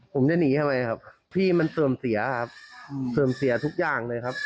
ผมจะหนีทำไมครับพี่มันเสื่อมเสียครับเสื่อมเสียทุกอย่างเลยครับ